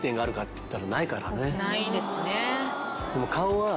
ないですね。